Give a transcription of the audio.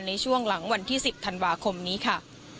ในช่วงหลังวันที่๑๐ธันวาคมนี้ค่ะ